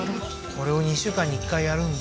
これを２週間に１回やるんだ？